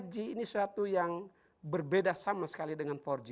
lima g ini suatu yang berbeda sama sekali dengan empat g